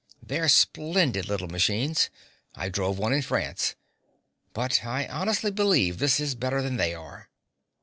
They're splendid little machines I drove one in France but I honestly believe this is better than they are.